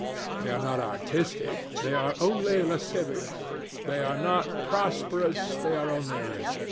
They are not artistic: they are only lascivious. They are not prosperous: they are only rich.